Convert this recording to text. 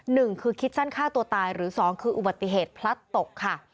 หนึ่งคือคิดสั้นฆ่าตัวตายหรือสองคืออุบัติเหตุพลัดตกค่ะ